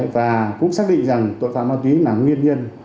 và cũng xác định rằng tội phạm ma túy là nguyên nhân